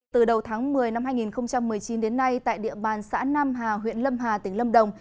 từ đầu tháng một mươi năm hai nghìn một mươi chín đến nay tại địa bàn xã nam hà huyện lâm hà tỉnh lâm đồng